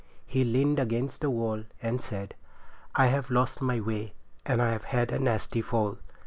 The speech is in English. He leaned against the wall and said— 'I have lost my way, and I have had a nasty fall.